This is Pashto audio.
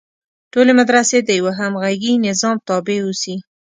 ټولې مدرسې د یوه همغږي نظام تابع اوسي.